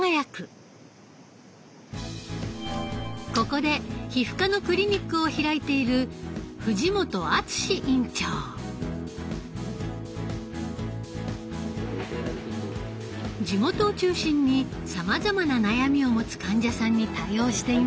ここで皮膚科のクリニックを開いている地元を中心にさまざまな悩みを持つ患者さんに対応しています。